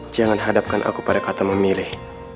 jangan hadapkan aku pada kata memilih